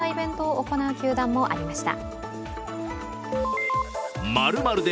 一風変わったイベントを行う球団もありました。